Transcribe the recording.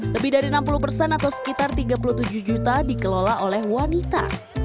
lebih dari enam puluh persen atau sekitar tiga puluh tujuh juta dikelola oleh wanita